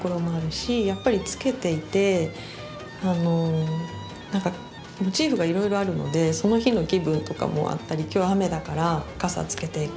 やっぱりつけていて何かモチーフがいろいろあるのでその日の気分とかもあったり今日雨だから傘つけていこうとか。